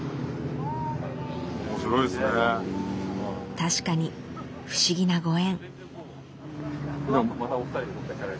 確かに不思議なご縁。